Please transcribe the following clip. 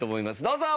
どうぞ！